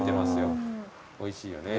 おいしいよね。